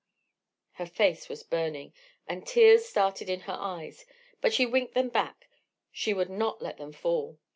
Her face was burning, and tears started in her eyes; but she winked them back, she would not let them fall.